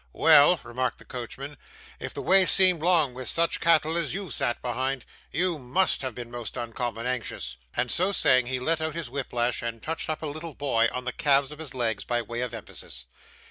'Well,' remarked the coachman, 'if the way seemed long with such cattle as you've sat behind, you MUST have been most uncommon anxious;' and so saying, he let out his whip lash and touched up a little boy on the calves of his legs by way of emphasis.